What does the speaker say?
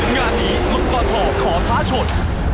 งานนี้มุกตทขอท้าชน